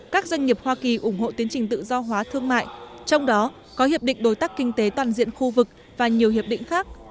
các doanh nghiệp hoa kỳ ủng hộ tiến trình tự do hóa thương mại trong đó có hiệp định đối tác kinh tế toàn diện khu vực và nhiều hiệp định khác